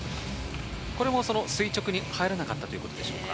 これも垂直に入らなかったということですか？